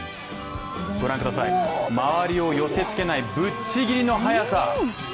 御覧ください、周りを寄せつけないぶっちぎりの速さ。